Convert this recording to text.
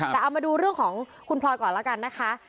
แต่เอามาดูเรื่องของคุณพลอยก่อนแล้วกันนะคะ